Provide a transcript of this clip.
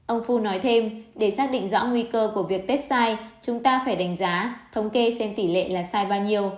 ông phu nói thêm để xác định rõ nguy cơ của việc tết sai chúng ta phải đánh giá thống kê xem tỷ lệ là sai bao nhiêu